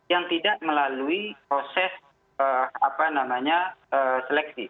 yang tidak melalui proses seleksi